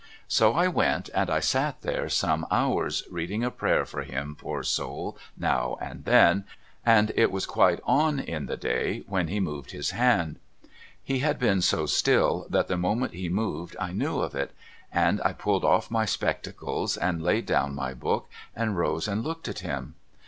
So I went, and I sat there some hours, reading a prayer for him poor soul now and then, and it was quite on in the day when he moved his hand. He had been so still, that the moment he moved I knew of it, and I pulled off my spectacles and laid down my book and rose and looked at him.